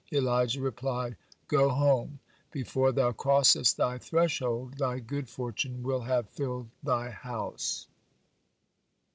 Elijah replied: "Go home. Before thou crossest thy threshold, thy good fortune will have filled thy house."